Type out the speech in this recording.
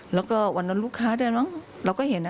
แล้วก็วันนั้นลูกค้าด้วยมั้งเราก็เห็น